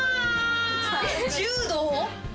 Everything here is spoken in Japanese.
柔道？